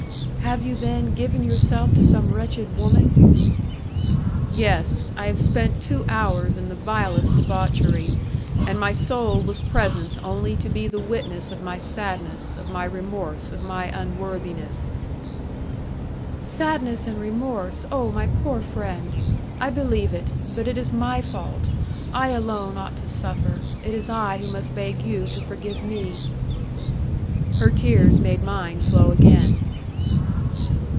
"Have you, then, given yourself to some wretched woman?" "Yes, I have spent two hours in the vilest debauchery, and my soul was present only to be the witness of my sadness, of my remorse, of my unworthiness." "Sadness and remorse! Oh, my poor friend! I believe it. But it is my fault; I alone ought to suffer; it is I who must beg you to forgive me." Her tears made mine flow again.